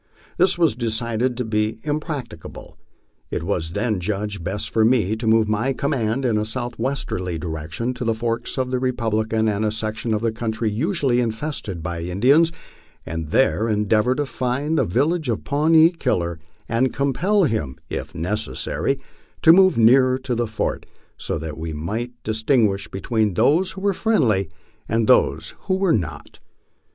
This was decided to be impracticable. It was then judged best for me to move my command in a southwesterly direction to the forks of the Republican, a section of country usually infested by Indians, and there endeavor to find the village of Pawnee Killer, and compel him, if necessary, to move nearer to the fort, so that we might distin guish between those who were friendly and those who were not.